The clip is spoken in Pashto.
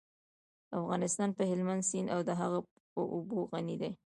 افغانستان په هلمند سیند او د هغې په اوبو غني دی.